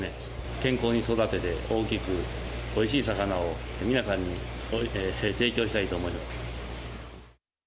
健康に育てて大きく、おいしい魚を皆さんに提供したいと思います。